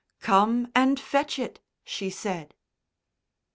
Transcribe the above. "Come and fetch it," she said.